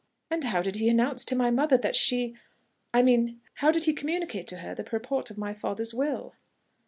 "And how did he announce to my mother that she.... I mean, how did he communicate to her the purport of my father's will?"